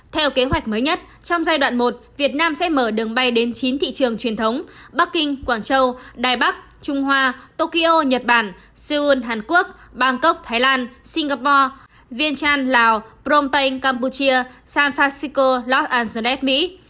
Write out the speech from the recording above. theo kế hoạch mới nhất trong giai đoạn một việt nam sẽ mở đường bay đến chín thị trường truyền thống bắc kinh quảng châu đài bắc trung hoa tokyo nhật bản seoul hàn quốc bangkok thái lan singapore viên chan lào phnom penh campuchia san francico los angonet mỹ